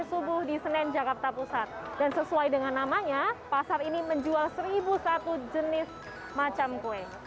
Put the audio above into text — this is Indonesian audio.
subuh di senen jakarta pusat dan sesuai dengan namanya pasar ini menjual seribu satu jenis macam kue